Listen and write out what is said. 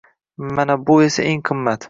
Mana bu esa eng qimmat.